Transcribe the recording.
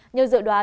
nhưng dự đoán